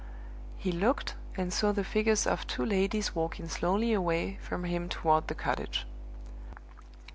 He looked, and saw the figures of two ladies walking slowly away from him toward the cottage.